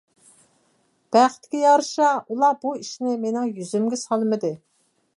بەختكە يارىشا ئۇلار بۇ ئىشنى مېنىڭ يۈزۈمگە سالمىدى.